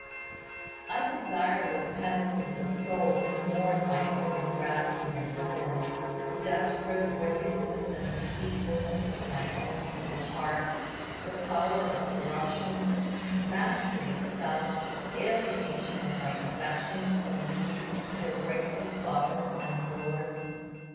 I desire with penitence of soul to mourn my own ingratitude and sin, the desperate wickedness and deceitfulness of my own evil heart, the power of corruption, the mastery of self, the alienation of my affections from Thee their rightful Sovereign and Lord.